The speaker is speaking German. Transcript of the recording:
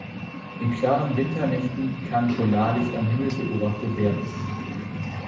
In klaren Winternächten kann Polarlicht am Himmel beobachtet werden.